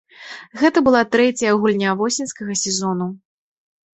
Гэта была трэцяя гульня восеньскага сезону.